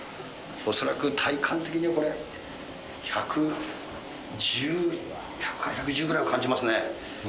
恐らく体感的に、これ、１１０、１１０ぐらいは感じますね。